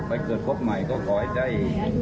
วันเกิดพบใหม่ก็ขอให้ใจ